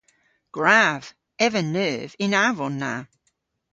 Gwrav. Ev a neuv y'n avon na.